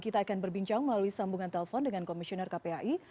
kita akan berbincang melalui sambungan telepon dengan komisioner kpai